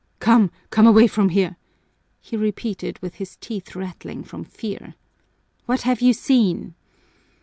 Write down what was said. "Come, come away from here," he repeated with his teeth rattling from fear. "What have you seen?"